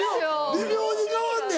微妙に変わんねん。